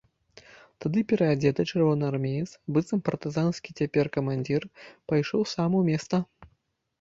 Тады пераадзеты чырвонаармеец, быццам партызанскі цяпер камандзір, пайшоў сам у места.